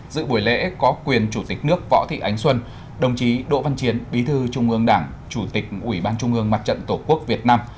dự buổi lễ có quyền chủ tịch nước võ thị ánh xuân đồng chí đỗ văn chiến bí thư trung ương đảng chủ tịch ủy ban trung ương mặt trận tổ quốc việt nam